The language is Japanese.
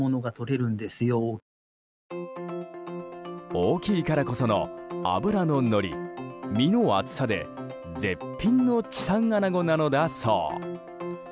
大きいからこその脂ののり、身の厚さで絶品の地産アナゴなのだそう。